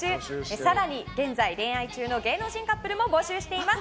更に現在恋愛中の芸能人カップルも募集しています。